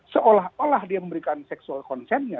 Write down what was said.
seolah olah dia memberikan seksual concernnya